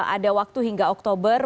ada waktu hingga oktober